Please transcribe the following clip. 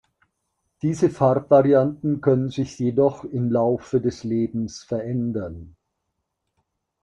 Diese Farbvarianten können sich jedoch im Laufe des Lebens verändern.